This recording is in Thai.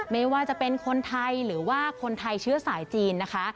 ไม่ว่าจะเป็นคนไทยหรือว่าคนไทยเชื้อสายจีนนะคะ